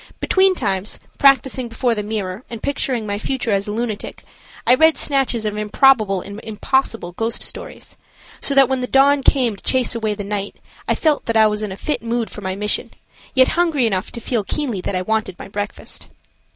Between times, practicing before the mirror and picturing my future as a lunatic, I read snatches of improbable and impossible ghost stories, so that when the dawn came to chase away the night, I felt that I was in a fit mood for my mission, yet hungry enough to feel keenly that I wanted my breakfast.